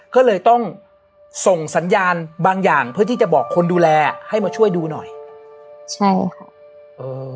ก็เลยต้องส่งสัญญาณบางอย่างเพื่อที่จะบอกคนดูแลให้มาช่วยดูหน่อยใช่ค่ะเออ